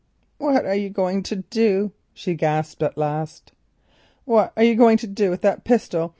"What are you going to do?" she gasped at last. "What are you going to do with that pistol?